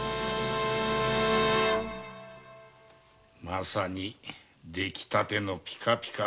まさに出来たてのピカピカ。